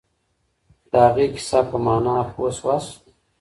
د هغې کیسې په مانا پوه سواست؟